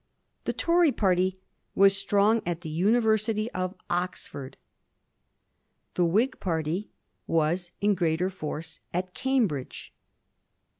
The Tory party was strong at the Univer sity of Oxford ; the Whig party was in greater force at Cambridge.